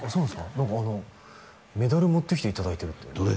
何かあのメダル持ってきていただいてるってどれ？